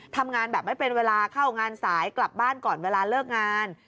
ทำงานแบบไม่เป็นเวลาเข้างานสายกลับบ้านก่อนเวลาเลิกงาน